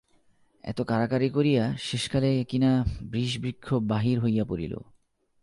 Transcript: এত কাড়াকাড়ি করিয়া শেষকালে কিনা বিষবৃক্ষ বাহির হইয়া পড়িল।